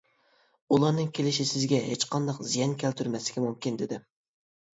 ئۇلارنىڭ كېلىشى سىزگە ھېچقانداق زىيان كەلتۈرمەسلىكى مۇمكىن، -دېدىم.